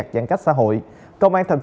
trong vòng bảy ngày